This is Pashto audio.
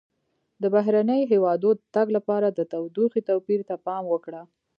د بهرني هېواد د تګ لپاره د تودوخې توپیر ته پام وکړه.